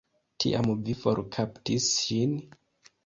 Tiam vi forkaptis ŝin.